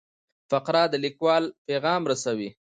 فقره د لیکوال پیغام رسوي.